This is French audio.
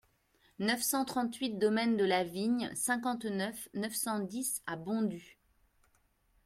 neuf cent trente-huit domaine de la Vigne, cinquante-neuf, neuf cent dix à Bondues